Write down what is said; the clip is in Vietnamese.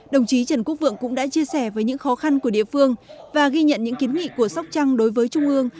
đồng chí trần quốc vượng cũng đã chia sẻ với những khó khăn của địa phương và ghi nhận những kiến nghị của sóc trăng đối với trung ương